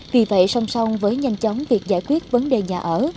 vì vậy song song với nhanh chóng việc giải quyết vấn đề nhà ở